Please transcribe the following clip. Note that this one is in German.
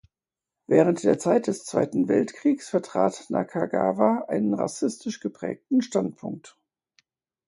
Während der Zeit des Zweiten Weltkriegs vertrat Nakagawa einen rassistisch geprägten Standpunkt.